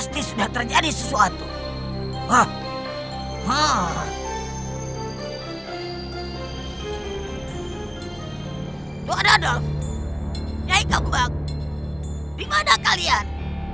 tidak tua nadop nyai kembang dimana kalian